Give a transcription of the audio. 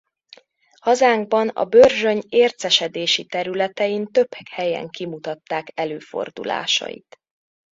Hazánkban a Börzsöny ércesedési területein több helyen kimutatták előfordulásait.